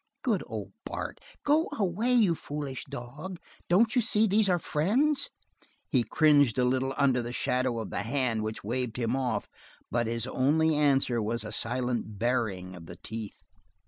Good old Bart, go away, you foolish dog! Don't you see these are friends?" He cringed a little under the shadow of the hand which waved him off but his only answer was a silent baring of the teeth.